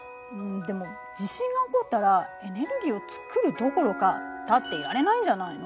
でも地震が起こったらエネルギーを作るどころか立っていられないんじゃないの？